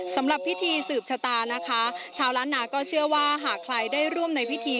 สำหรับพิธีสืบชะตานะคะชาวล้านนาก็เชื่อว่าหากใครได้ร่วมในพิธี